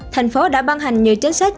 tp hcm đã ban hành nhiều chính sách